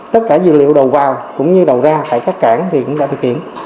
tất cả dữ liệu đầu vào cũng như đầu ra tại các cảng cũng đã thực hiện